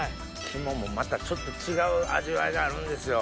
肝もまたちょっと違う味わいがあるんですよ。